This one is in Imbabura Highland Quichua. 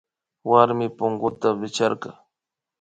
Warmi punguta wichkarka